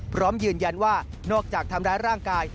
พร้อมยืนยันว่านอกจากทำร้ายร่างกาย